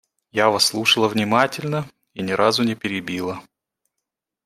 Я Вас слушала внимательно и ни разу не перебила.